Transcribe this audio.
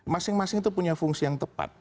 masing masing itu punya fungsi yang tepat